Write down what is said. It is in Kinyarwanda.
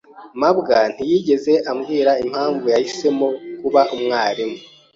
mabwa ntiyigeze ambwira impamvu yahisemo kuba umwarimu.